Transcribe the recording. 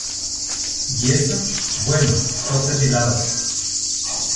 ¿ y eso? bueno, top depiladas.